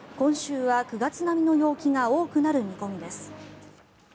今週は９月並みの陽気が多くなる見込みです。